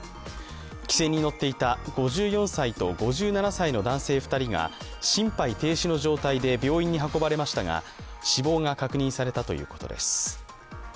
汽船に乗っていた５４歳と５７歳の男性２人が心肺停止の状態で病院に運ばれましたが死亡が確認されたということです。